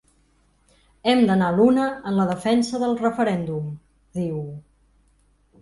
Hem d’anar a l’una en la defensa del referèndum, diu.